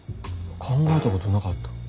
考えたことなかった。